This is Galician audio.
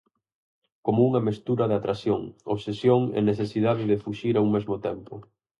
Como unha mestura de atracción, obsesión e necesidade de fuxir a un mesmo tempo.